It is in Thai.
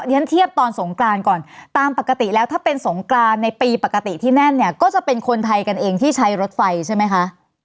ฉันเทียบตอนสงกรานก่อนตามปกติแล้วถ้าเป็นสงกรานในปีปกติที่แน่นเนี่ยก็จะเป็นคนไทยกันเองที่ใช้รถไฟใช่ไหมคะ